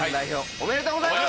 おめでとうございます。